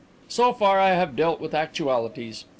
"So far I have dealt with actualities.